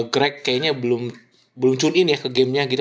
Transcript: grack kayaknya belum tune in ya ke gamenya gitu